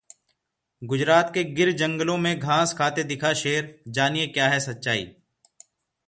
गुजरात के गिर जंगलों में घास खाते दिखा शेर, जानिए क्या है सच्चाई